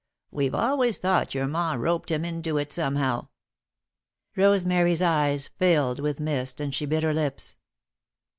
We've always thought your ma roped him into it, somehow." Rosemary's eyes filled with mist and she bit her lips.